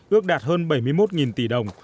hai nghìn một mươi bảy ước đạt hơn bảy mươi một tỷ đồng